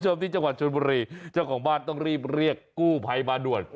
คุณผู้ชมที่จังหวัดชนบุรีเจ้าของบ้านต้องรีบเรียกกู้ภัยมาด่วน